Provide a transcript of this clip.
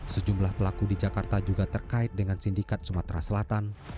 sejumlah pelaku di jakarta juga terkait dengan sindikat sumatera selatan